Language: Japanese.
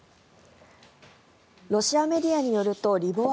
ロシアメディアによるとリボワ・